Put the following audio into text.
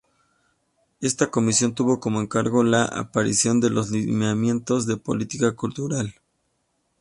Esta Comisión tuvo como encargo la preparación de los Lineamientos de Política Cultural.